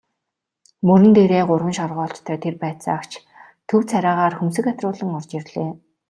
Мөрөн дээрээ гурван шоргоолжтой тэр байцаагч төв царайгаар хөмсөг атируулан орж ирлээ.